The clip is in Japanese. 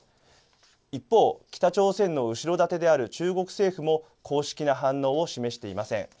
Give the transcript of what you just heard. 一方、北朝鮮の後ろ盾である中国政府も公式な反応を示していません。